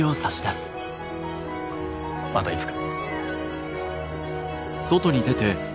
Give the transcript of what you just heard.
またいつか。